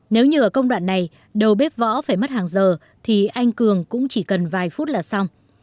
nếu nhờ ở công đoạn này đầu bếp võ phải mất hàng giờ thì anh cường cũng chỉ cần vài phút là xong